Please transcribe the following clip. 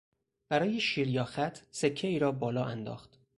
برای شیر یا خط سکهای را بالا انداخت.